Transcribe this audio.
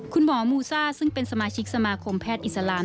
คุณหมอมูซ่าซึ่งเป็นสมาชิกสมาคมแพทย์อิสลาม